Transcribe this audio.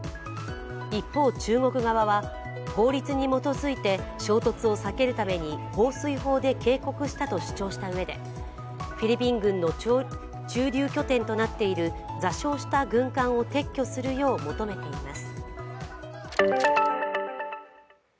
一方、中国側は法律に基づいて衝突を避けるために放水砲で警告したと主張したうえでフィリピン軍の駐留拠点となっている座礁した軍艦を撤去するよう求めています。